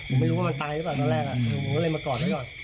ผมไม่รู้ว่ามันตายหรือเปล่าตอนแรกผมก็เลยมากอดไว้ก่อน